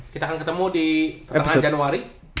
kita akan ketemu di tengah januari